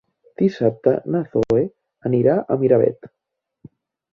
Dissabte na Zoè anirà a Miravet.